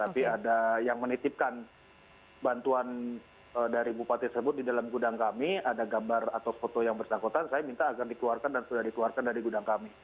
jadi saya yang menitipkan bantuan dari bupati tersebut di dalam gudang kami ada gambar atau foto yang bersangkutan saya minta agar dikeluarkan dan sudah dikeluarkan dari gudang kami